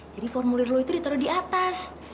jadi formulir lo itu ditaruh di atas